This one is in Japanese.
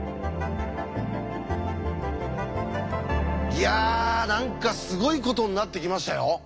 いや何かすごいことになってきましたよ！